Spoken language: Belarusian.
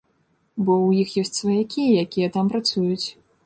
Бо ў іх ёсць сваякі, якія там працуюць.